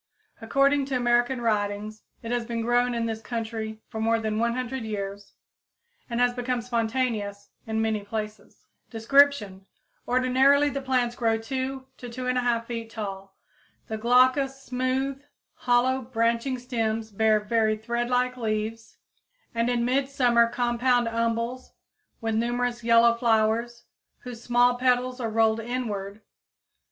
According to American writings, it has been grown in this country for more than 100 years and has become spontaneous in many places. Description. Ordinarily the plants grow 2 to 2 1/2 feet tall. The glaucous, smooth, hollow, branching stems bear very threadlike leaves and in midsummer compound umbels with numerous yellow flowers, whose small petals are rolled inward.